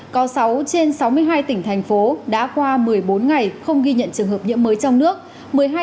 có sáu trên sáu mươi hai tỉnh thành phố đã qua một mươi bốn ngày không ghi nhận trường hợp nhiễm mới trong nước